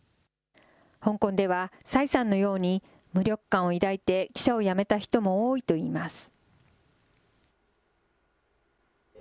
香港では蔡さんのように無力感を抱いて、記者を辞めた人も多いといいます。